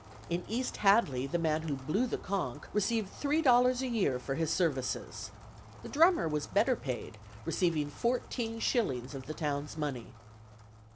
In East Hadley, the man who "blew the cunk" received three dollars a year for his services. The drummer was better paid, receiving fourteen shillings of the town's money.